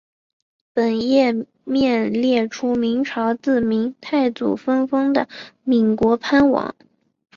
本页面列出明朝自明太祖分封的岷国藩王。